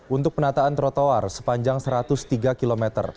untuk penataan trotoar sepanjang satu ratus tiga km